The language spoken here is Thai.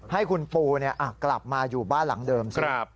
ให้คุณปูกลับมาอยู่บ้านหลังเดิม